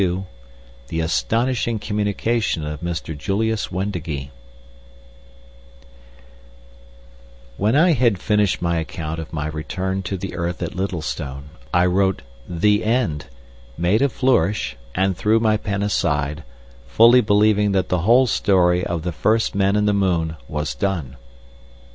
XXII. The Astonishing Communication of Mr. Julius Wendigee When I had finished my account of my return to the earth at Littlestone, I wrote, "The End," made a flourish, and threw my pen aside, fully believing that the whole story of the First Men in the Moon was done.